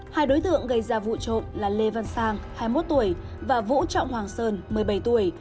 hai đối tượng gây ra vụ trộm là lê văn sang hai mươi một tuổi và vũ trọng hoàng sơn một mươi bảy tuổi